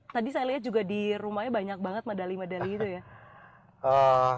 tadi saya lihat juga di rumahnya banyak banget medali medali itu ya